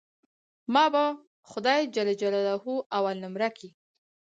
ما به خداى جل جلاله اول نؤمره کي.